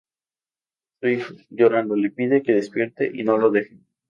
Su hijo, llorando, le pide que despierte y no lo deje.